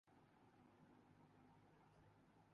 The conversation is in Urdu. آسمان مہربان ہوں۔